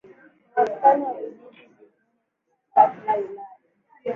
Ni wastani wa vijiji vinne katika kila wilaya